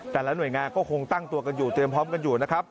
แต่ละหน่วยงานก็คงตั้งตัวกันอยู่เตรียมพร้อมกันอยู่นะครับ